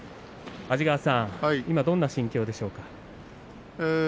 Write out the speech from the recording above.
安治川さん、今どんな心境でしょうか。